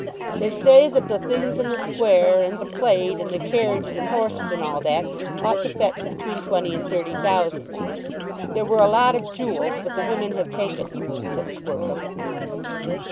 "They say that the things in the square, and the plate, and the carriages and horses, and all that, ought to fetch between twenty and thirty thousand. There were a lot of jewels, but the women have taken them," said Squercum.